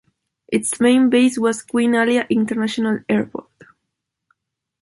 Its main base was Queen Alia International Airport.